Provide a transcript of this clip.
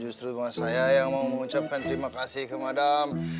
justru cuma saya yang mau mengucapkan terima kasih ke mam